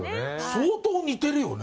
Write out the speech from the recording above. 相当似てるよね？